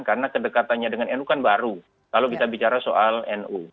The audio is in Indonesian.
karena kedekatannya dengan nu kan baru kalau kita bicara soal nu